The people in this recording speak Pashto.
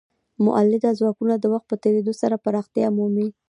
مؤلده ځواکونه د وخت په تیریدو سره پراختیا مومي.